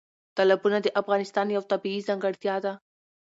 تالابونه د افغانستان یوه طبیعي ځانګړتیا ده.